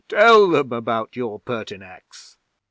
'Tell them about your Pertinax.'